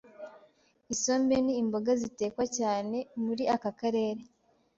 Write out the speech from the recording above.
isombe ni imboga zitekwa cyane muri aka karere